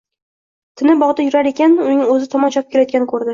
Tina bogʻda turar ekan, uning oʻzi tomon chopib kelayotganini koʻrdi.